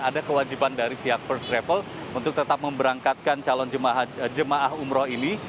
ada kewajiban dari pihak first travel untuk tetap memberangkatkan calon jemaah umroh ini